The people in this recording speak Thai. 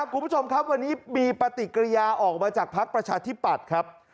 คุณผู้ชมครับวันนี้มีปฏิกิริยาออกมาจากภักดิ์ประชาธิปัตย์ครับ